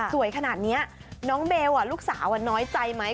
สวยขนาดนี้น้องเบลลูกสาวน้อยใจไหม